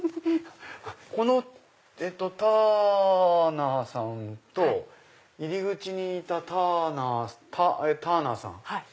このターーーナーさんと入り口にいたターナーさん。